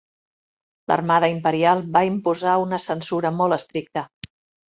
L'Armada Imperial va imposar una censura molt estricta.